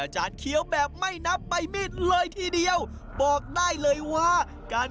จะเอาต่อเลยเหรอ